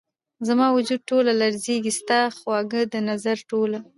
زما وجود ټوله لرزیږې ،ستا خواږه ، دنظر ټوله